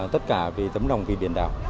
tất cả tấm lòng vì biển đảo